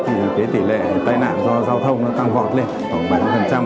thì tỷ lệ tai nạn do giao thông tăng gọt lên khoảng bảy mươi